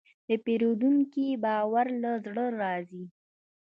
د پیرودونکي باور له زړه راځي.